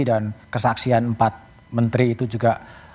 dan kesaksian empat menteri itu juga